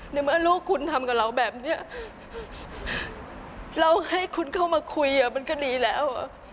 ในเมื่อลูกคุณทำกับเราแบบนี้เราให้คุณเข้ามาคุยมันก็ดีแล้ว